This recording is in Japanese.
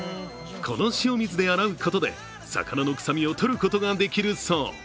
この塩水で洗うことで魚の臭みを取ることができるそう。